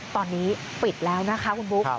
ตอนนี้ปิดแล้วนะคะคุณบุ๊ค